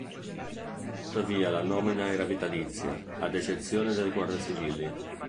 Tuttavia la nomina era vitalizia, ad eccezione del guardasigilli.